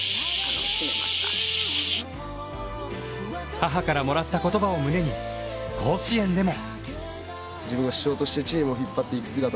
母からもらった言葉を胸に甲子園でも。